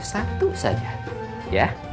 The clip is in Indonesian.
satu saja ya